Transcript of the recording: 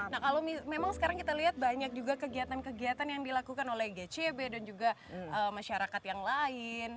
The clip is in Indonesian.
nah kalau memang sekarang kita lihat banyak juga kegiatan kegiatan yang dilakukan oleh gcb dan juga masyarakat yang lain